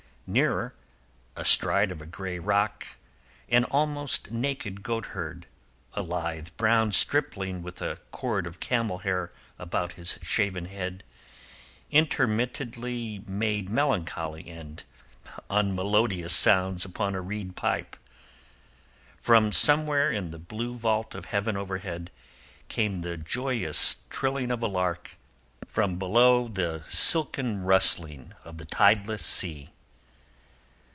Nearer, astride of a grey rock an almost naked goatherd, a lithe brown stripling with a cord of camel hair about his shaven head, intermittently made melancholy and unmelodious sounds upon a reed pipe. From somewhere in the blue vault of heaven overhead came the joyous trilling of a lark, from below the silken rustling of the tideless sea.